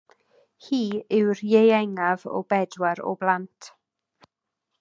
Hi yw'r ieuengaf o bedwar o blant.